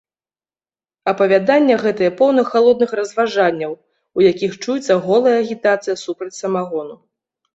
Апавяданне гэтае поўна халодных разважанняў, у якіх чуецца голая агітацыя супраць самагону.